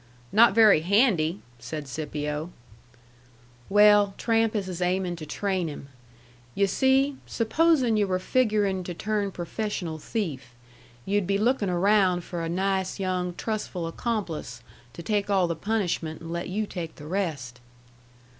"Not very handy," said Scipio. "Well, Trampas is aimin' to train him. Yu' see, supposin' yu' were figuring to turn professional thief yu'd be lookin' around for a nice young trustful accomplice to take all the punishment and let you take the rest."